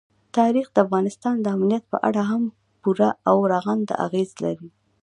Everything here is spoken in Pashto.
تاریخ د افغانستان د امنیت په اړه هم پوره او رغنده اغېز لري.